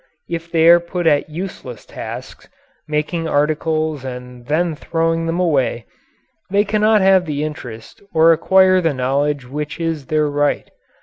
If they are put at useless tasks at making articles and then throwing them away they cannot have the interest or acquire the knowledge which is their right.